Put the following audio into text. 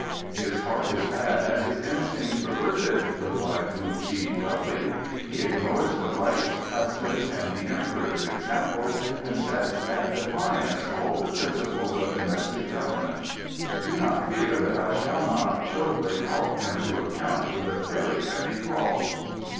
"His heart is bad and his instincts perverted," replied Wu Chi dully. "He ignores the rites, custom, and the Emperor's example, and sets at defiance all the principles of domestic government. Do not fear that I shall not shortly call him to account with a very heavy call."